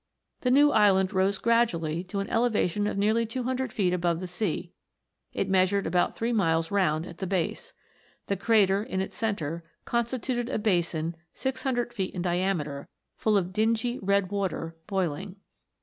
The new island rose gradually to an elevation of nearly 200 feet above the sea ; it measured about three miles round at the base. The crater, in its centre, constituted a basin 600 feet in diameter, full of dingy red water, boiling.